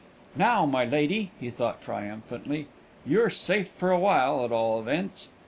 "Now, my lady," he thought triumphantly, "you're safe for awhile, at all events.